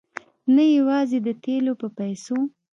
نه یوازې د تېلو په پیسو.